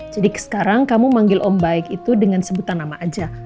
jadi sekarang kamu manggil om baik itu dengan sebutan nama aja